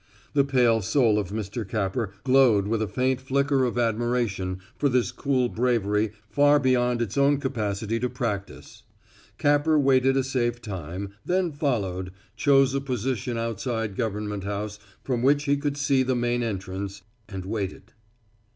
The pale soul of Mr. Capper glowed with a faint flicker of admiration for this cool bravery far beyond its own capacity to practise. Capper waited a safe time, then followed, chose a position outside Government House from which he could see the main entrance, and waited.